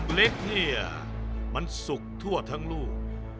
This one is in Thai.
ผมดูออกเลยนะว่าลูกเล็กเนี่ยมันสุกทั่วทั้งลูก